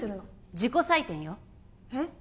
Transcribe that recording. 自己採点よえっ？